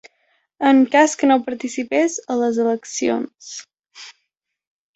En cas que no participés a les eleccions.